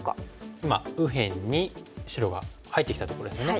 今右辺に白が入ってきたところですね。